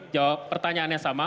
jawab pertanyaannya sama